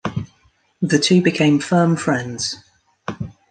The two became firm friends.